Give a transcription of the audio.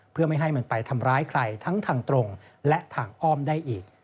เพื่อไม่ให้มันไปทำร้ายใครทั้งทางตรงและทางอ้อมได้อีก